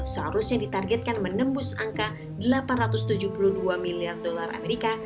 dua ribu dua puluh seharusnya ditargetkan menembus angka delapan ratus tujuh puluh dua miliar dolar amerika